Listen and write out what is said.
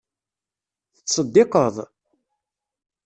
Tettseddiqeḍ?